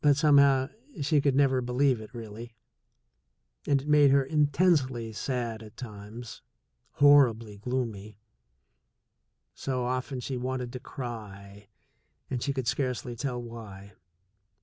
But somehow she could never believe it really, and it made her intensely sad at times, horribly gloomy. So often she wanted to cry, and she could scarcely tell why.